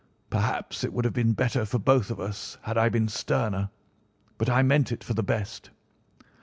Perhaps it would have been better for both of us had I been sterner, but I meant it for the best.